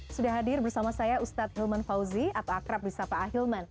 sudah hadir bersama saya ustadz hilman fauzi atau akrab bisa pak ahilman